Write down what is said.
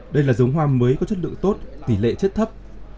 đây là giống hoa mới có chất lượng tốt tỉ lệ chất thấp